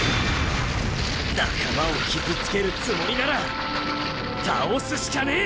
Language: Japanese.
仲間を傷つけるつもりなら倒すしかねえ！